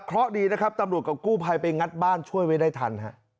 เพราะดีนะครับตำรวจกับกู้ภัยไปงัดบ้านช่วยไว้ได้ทันฮะ